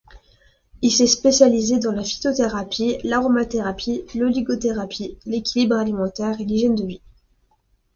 Il s'est spécialisé dans la phytothérapie, l'aromathérapie, l'oligothérapie, l'équilibre alimentaire, l'hygiène de vie.